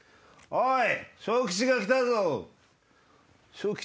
「おい！